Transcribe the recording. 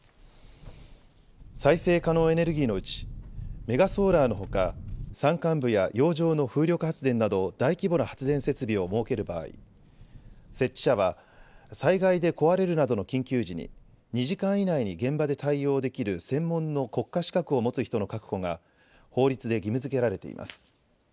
再生可能エネルギーのうちメガソーラーのほか山間部や洋上の風力発電など大規模な発電設備を設ける場合設置者は災害で壊れるなどの緊急時に２時間以内に現場で対応できる専門の国家資格を持つ人の確保が法律で義務づけられています。